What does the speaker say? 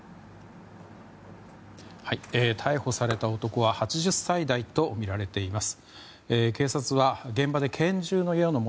逮捕された男は８０歳代とみられています。